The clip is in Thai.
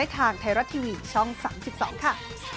ปังคุณผู้ชมค่ะ